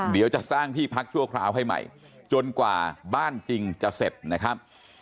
เดี๋ยวจะสร้างที่พักชั่วคราวให้ใหม่จนกว่าบ้านจริงจะเสร็จนะครับ